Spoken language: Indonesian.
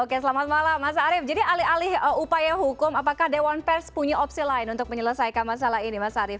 oke selamat malam mas arief jadi alih alih upaya hukum apakah dewan pers punya opsi lain untuk menyelesaikan masalah ini mas arief